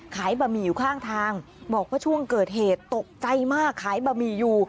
บะหมี่อยู่ข้างทางบอกว่าช่วงเกิดเหตุตกใจมากขายบะหมี่อยู่